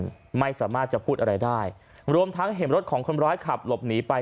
ไม่สามารถจะพูดอะไรได้รวมทั้งเห็นรถของคนร้ายขับหลบหนีไป